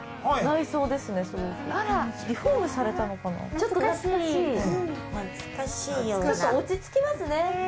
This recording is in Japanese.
ちょっと懐かしい落ち着きますね